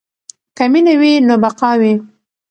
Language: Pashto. که مینه وي نو بقا وي.